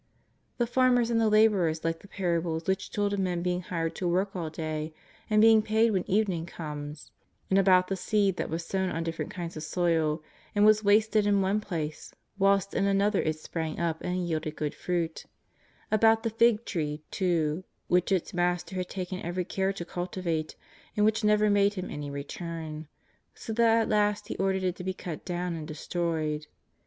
The farmers and the labourers liked the parables which told of men being hired to work all day and being paid when evening comes ; and about the seed that was sown on different kinds of soil, and was wasted in one place whilst in another it sprang up and yielded good fruit ; about the fig tree, too, which its master had taken every care to cultivate and which never made him any return, so that at last he ordered it to be cut down and destroyed.